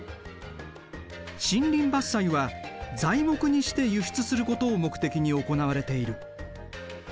森林伐採は材木にして輸出することを目的に行われている。